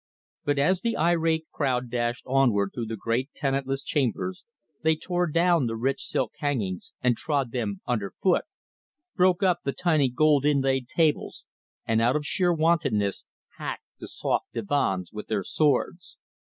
But as the irate crowd dashed onward through the great tenantless chambers they tore down the rich silk hangings and trod them underfoot, broke up the tiny gold inlaid tables, and out of sheer wantonness hacked the soft divans with their swords.